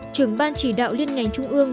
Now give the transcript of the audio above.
trưởng ban chỉ đạo liên ngành trung ương